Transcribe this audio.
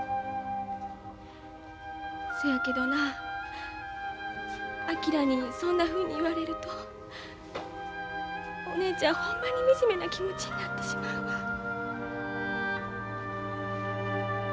そやけどな昭にそんなふうに言われるとお姉ちゃんほんまに惨めな気持ちになってしまうわ。